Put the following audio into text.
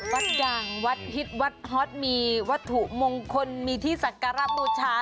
วัดดังวัดฮิตวัดฮอตมีวัตถุมงคลมีที่สักการะบูชา